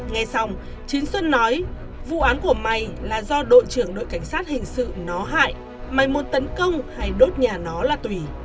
nghe xong chiến xuân nói vụ án của mày là do đội trưởng đội cảnh sát hình sự nó hại mày một tấn công hay đốt nhà nó là tùy